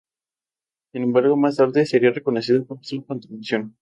El resto es plano y casi sin rasgos reseñables, excepto por unos pequeños cráteres.